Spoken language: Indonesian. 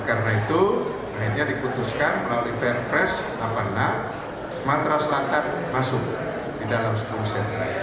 karena itu akhirnya diputuskan melalui perpres delapan puluh enam sumatera selatan masuk di dalam sepuluh sentra itu